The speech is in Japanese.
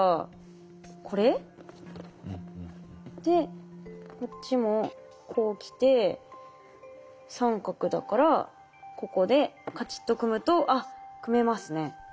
でこっちもこう来て三角だからここでカチッと組むとあっ組めますね。